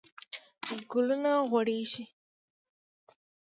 ګلونه غوړیږي